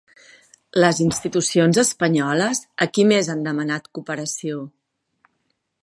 Les institucions espanyoles, a qui més han demanat cooperació?